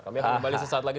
kami akan kembali sesaat lagi